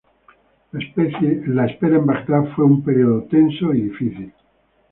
La espera en Bagdad fue un período tenso y difícil.